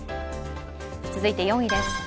続いて４位です。